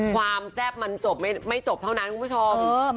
ความแทบมันไม่จบเท่านั้นคุณผู้ชม